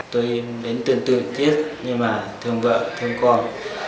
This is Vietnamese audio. tôi đến tương tự tiếc nhưng mà thương vợ thương con